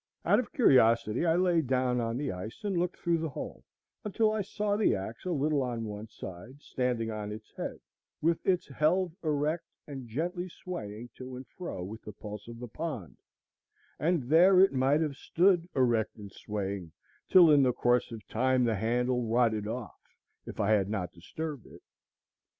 Out of curiosity, I lay down on the ice and looked through the hole, until I saw the axe a little on one side, standing on its head, with its helve erect and gently swaying to and fro with the pulse of the pond; and there it might have stood erect and swaying till in the course of time the handle rotted off, if I had not disturbed it.